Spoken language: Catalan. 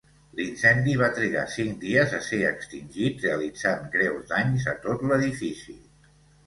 L'incendi va trigar cinc dies a ser extingit realitzant greus danys a tot l'edifici.